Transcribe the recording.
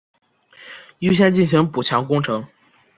优先进行补强工程